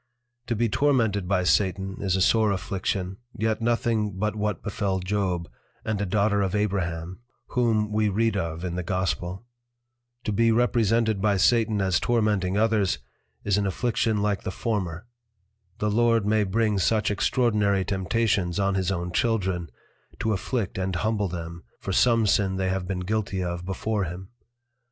To be tormented by Satan is a sore Affliction, yet nothing but what befel Job, and a Daughter of Abraham, whom we read of in the Gospel: To be represented by Satan as tormenting others, is an Affliction like the former; the Lord may bring such extraordinary Temptations on his own Children, to afflict and humble them, for some Sin they have been guilty of before him.